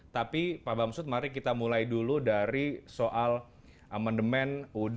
tapi pak bamsud mari kita mulai dulu dari soal amendemen ud seribu sembilan ratus empat puluh lima